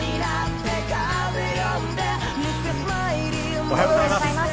おはようございます。